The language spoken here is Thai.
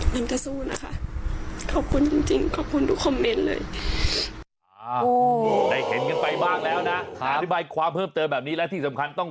งั้นก็สู้นะคะขอบคุณจริงขอบคุณทุกคอมเมนต์เลย